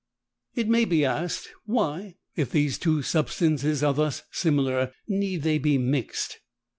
It may be asked, why, if these two substances are thus similar, need they be mixed?